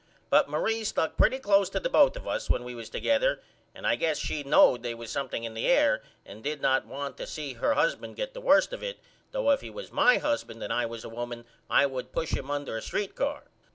But Marie stuck pretty close to the both of us when we was together and I guess she knowed they was something in the air and did not want to see her husband get the worst of it though if he was my husband and I was a woman I would push him under a st. car.